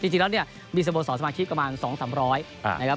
จริงแล้วเนี่ยมีสโมสรสมาชิกประมาณ๒๓๐๐นะครับ